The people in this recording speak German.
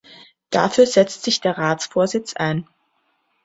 Dafür setzt sich der Ratsvorsitz ein.